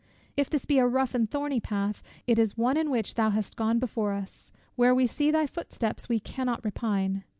If this be a rough and thorny path, it is one in which thou hast gone before us. Where we see thy footsteps we cannot repine.